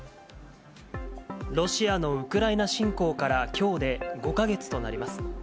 ロシアのウクライナ侵攻からきょうで５か月となります。